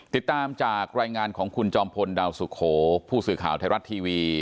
ติดตามจากรายงานของคุณจอมพลดาวสุโขผู้สื่อข่าวไทยรัฐทีวี